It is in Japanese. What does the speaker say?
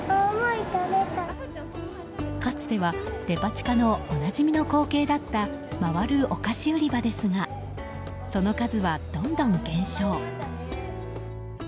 かつてはデパ地下のおなじみの光景だった回るお菓子売り場ですがその数は、どんどん減少。